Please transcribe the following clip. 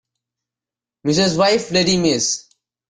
Mrs. wife lady Miss